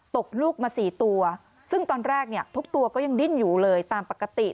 ตกลูกมาสี่ตัวซึ่งตอนแรกเนี่ยทุกตัวก็ยังดิ้นอยู่เลยตามปกติ